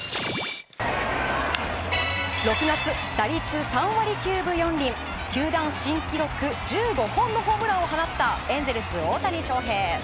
６月、打率３割９分４厘球団新記録１５本のホームランを放ったエンゼルス、大谷翔平。